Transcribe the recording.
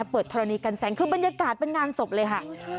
ธรณีกันแสงคือบรรยากาศเป็นงานศพเลยค่ะ